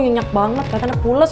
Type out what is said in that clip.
nginyak banget kayaknya udah pulas